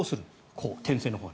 こう、点線のほう。